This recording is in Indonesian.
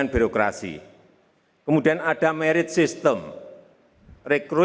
yang pertama perampingan untuk pelanggar e motivate penjualan